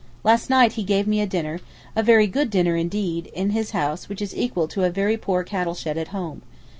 Last night he gave me a dinner—a very good dinner indeed, in his house which is equal to a very poor cattle shed at home.